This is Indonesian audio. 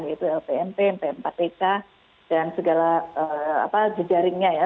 yaitu lpmp mp empat pk dan segala jaringnya ya